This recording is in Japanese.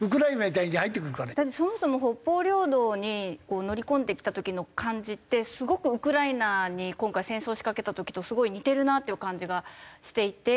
だってそもそも北方領土に乗り込んできた時の感じってすごくウクライナに今回戦争を仕掛けた時とすごい似てるなっていう感じがしていて。